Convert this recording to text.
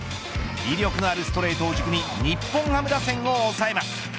威力のあるストレートを軸に日本ハム打線を抑えます。